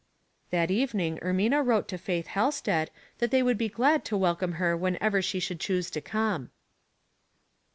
That evening Ermina wrote to Faith Halsted that they would be glad to welcome her when ever she should choose to come.